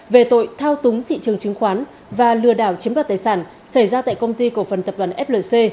về tội thao túng thị trường chứng khoán và lừa đảo chiếm đoạt tài sản xảy ra tại công ty cổ phần tập đoàn flc